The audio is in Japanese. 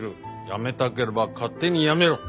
辞めたければ勝手に辞めろ。